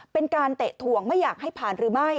เป็นการเตะถ่วงไม่อยากให้ผ่านหรือไม่